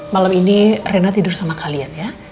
malam ini rena tidur sama kalian ya